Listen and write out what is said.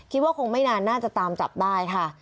คิดว่าคงไม่นานน่าจะตามจับได้ค่ะ